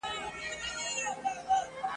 دوی ښوونځي ډېرکلونه مخکي جوړ کړي ول.